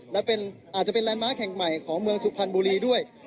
และอาจจะเป็นแลนดมาร์คแห่งใหม่ของเมืองสุพรรณบุรีด้วย